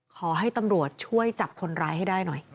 ขอให้ตำรวจช่วยจับคนร้ายให้ได้หน่อย